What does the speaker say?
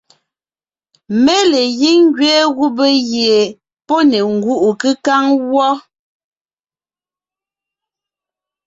Mé le gíŋ ngẅeen gubé gie pɔ́ ne ngúʼu kékáŋ wɔ́.